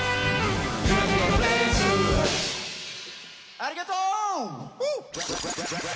ありがとう！